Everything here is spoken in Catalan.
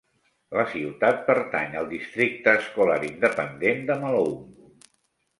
La ciutat pertany al districte escolar independent de Malone.